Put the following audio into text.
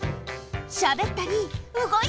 しゃべったりうごいたり。